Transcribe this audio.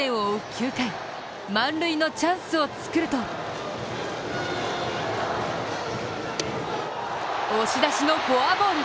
９回満塁のチャンスを作ると押し出しのフォアボール。